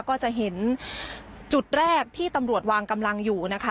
ก็จะเห็นจุดแรกที่ตำรวจวางกำลังอยู่นะคะ